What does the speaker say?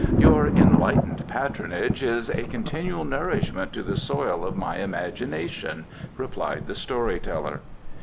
"Your enlightened patronage is a continual nourishment to the soil of my imagination," replied the story teller.